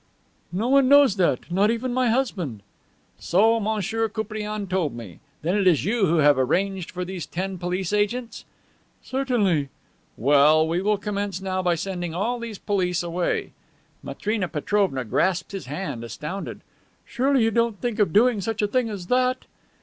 "No one knows that not even my husband." "So M. Koupriane told me. Then it is you who have arranged for these ten police agents?" "Certainly." "Well, we will commence now by sending all these police away." Matrena Petrovna grasped his hand, astounded. "Surely you don't think of doing such a thing as that!"